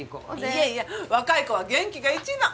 いやいや若い子は元気が一番！